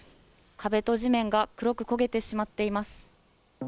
壁と地面が黒く焦げてしまっています。